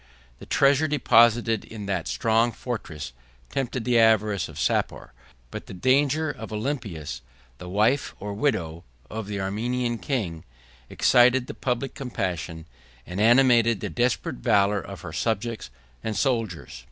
The treasure deposited in that strong fortress tempted the avarice of Sapor; but the danger of Olympias, the wife or widow of the Armenian king, excited the public compassion, and animated the desperate valor of her subjects and soldiers.